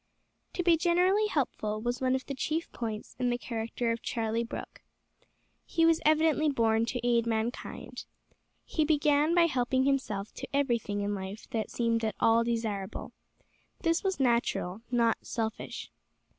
To be generally helpful was one of the chief points in the character of Charlie Brooke. He was evidently born to aid mankind. He began by helping himself to everything in life that seemed at all desirable. This was natural, not selfish.